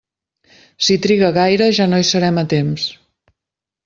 Si triga gaire ja no hi serem a temps.